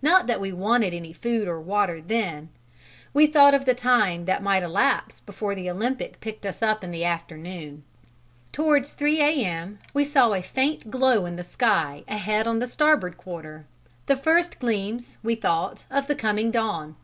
Not that we wanted any food or water then: we thought of the time that might elapse before the Olympic picked us up in the afternoon. Towards 3 A.M. we saw a faint glow in the sky ahead on the starboard quarter, the first gleams, we thought, of the coming dawn.